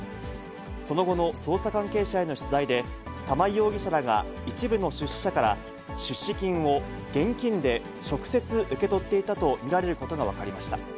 その後の捜査関係者への取材で、玉井容疑者らが一部の出資者から、出資金を現金で直接受け取っていたと見られることが分かりました。